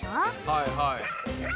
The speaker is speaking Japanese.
はいはい。